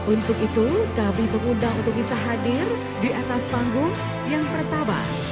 untuk itu kami mengundang untuk bisa hadir di atas panggung yang pertama